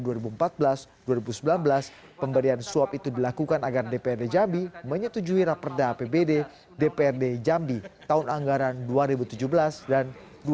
dan dua ribu sembilan belas pemberian suap itu dilakukan agar dprd jambi menyetujui raperda pbd dprd jambi tahun anggaran dua ribu tujuh belas dan dua ribu delapan belas